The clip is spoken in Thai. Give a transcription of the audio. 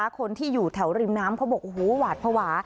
คนที่อยู่แถวริมน้ำเขาบอกโอ้โหหวาดภาวะ